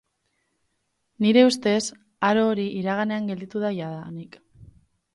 Nire ustez aro hori iraganean gelditu da jadanik.